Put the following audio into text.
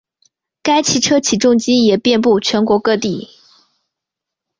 该汽车起重机也遍布全国各地。